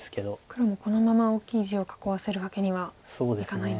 黒もこのまま大きい地を囲わせるわけにはいかないんですか。